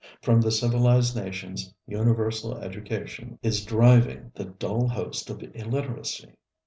From the civilized nations universal education is driving the dull host of illiteracy.